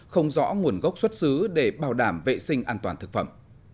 không rõ nguồn gốc xuất xứ để bảo đảm vệ sinh an toàn thực phẩm